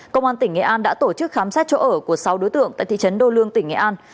công an tỉnh nghệ an đã tổ chức khám xét chỗ ở của sáu đối tượng tại thị trấn đô lương tỉnh nghệ an